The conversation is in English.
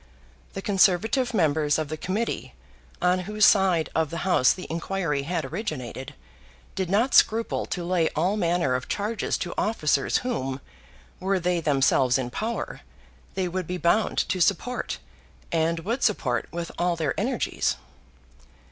The conservative members of the Committee, on whose side of the House the inquiry had originated, did not scruple to lay all manner of charges to officers whom, were they themselves in power, they would be bound to support and would support with all their energies.